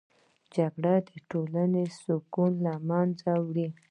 جګړه د ټولنې سکون له منځه وړي